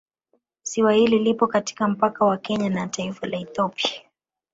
Ziwa hili lipo katika mpaka wa Kenya na taifa la Ethiopia